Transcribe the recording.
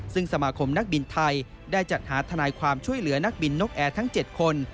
ซึ่งสมาคมนักบินไทยได้จัดหาทนายความช่วยเหลือนักบินนกแอร์ทั้ง๗คน